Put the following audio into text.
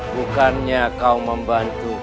bukannya kau membantu